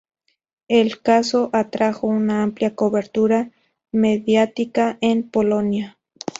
El caso atrajo una amplia cobertura mediática en Polonia.